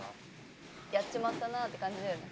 「やっちまったなって感じだよね」